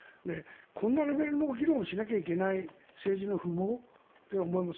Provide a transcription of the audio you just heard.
こんなレベルの議論をしなきゃいけない政治の不毛と思います。